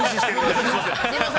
◆すいません。